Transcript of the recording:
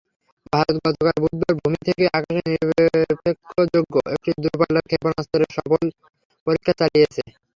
ভারত গতকাল বুধবার ভূমি থেকে আকাশে নিক্ষেপযোগ্য একটি দূরপাল্লার ক্ষেপণাস্ত্রের সফল পরীক্ষা চালিয়েছে।